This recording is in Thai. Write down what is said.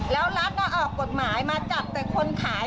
แล้วรัฐก็ออกกฎหมายมาจับแต่คนขาย